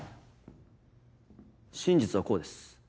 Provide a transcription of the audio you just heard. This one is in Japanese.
真実はこうです。